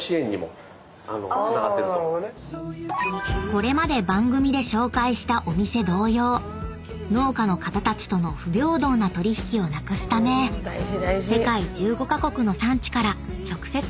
［これまで番組で紹介したお店同様農家の方たちとの不平等な取引をなくすため世界１５カ国の産地から直接仕入れているんです］